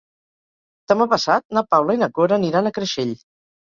Demà passat na Paula i na Cora aniran a Creixell.